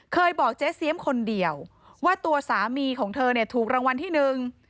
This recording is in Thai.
บอกเจ๊เสียมคนเดียวว่าตัวสามีของเธอเนี่ยถูกรางวัลที่หนึ่ง